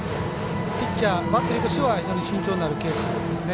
ピッチャー、バッテリーとしては慎重になるケースですね。